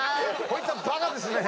こいつはバカですね。